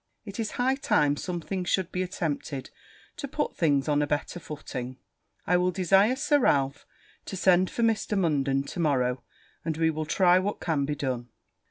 It is high time something should be attempted to put things on a better footing. I will desire Sir Ralph to send for Mr. Munden to morrow, and we will try what can be done.'